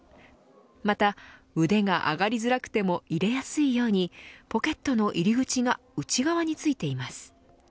また、腕が上がりづらくても入れやすいようにポケットの入り口が内側に付いています。